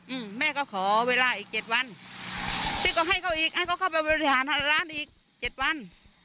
อืมแม่ก็ขอเวลาอีกเจ็ดวันพี่ก็ให้เขาอีกให้เขาเข้าไปบริหารร้านอีกเจ็ดวัน